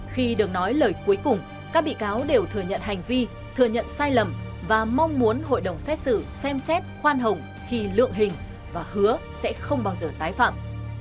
khi được nói lời cuối cùng các bị cáo đều thừa nhận hành vi thừa nhận sai lầm và mong muốn hội đồng xét xử xem xét khoan hồng khi lượng hình và hứa sẽ không bao giờ tái phạm